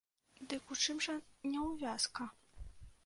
Дык у чым жа няўвязка?